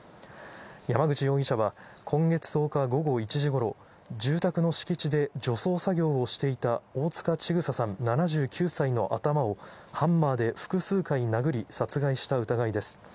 山口容疑者は、今月１０日午後１時ごろ、住宅の敷地で除草作業をしていた大塚千種さん７９歳の頭をハンマーで複数回殴り、殺害した疑いです。